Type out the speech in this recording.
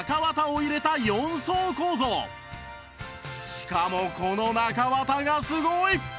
しかもこの中綿がすごい！